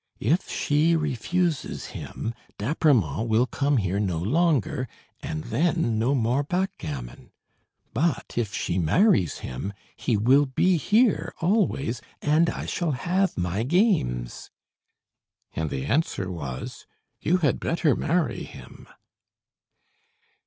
"If she refuses him, D'Apremont will come here no longer, and then no more backgammon. But if she marries him, he will be here always, and I shall have my games." And the answer was: "You had better marry him."